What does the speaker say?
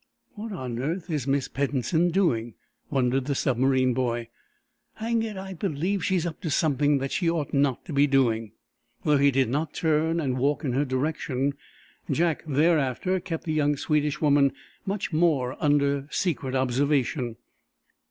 "What on earth is Miss Peddensen doing?" wondered the submarine boy. "Hang it, I believe she's up to something that she ought not to be doing!" Through he did not turn and walk in her direction, Jack, thereafter, kept the young Swedish woman much more under secret observation.